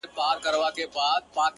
كه ملاقات مو په همدې ورځ وسو؛